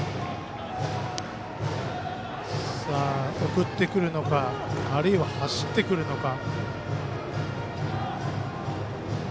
送ってくるのかあるいは走ってくるのか。